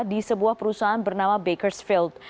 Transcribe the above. di sebuah perusahaan bernama bakersfield